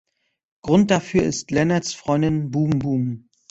Grund dafür ist Leonards Freundin Boom Boom.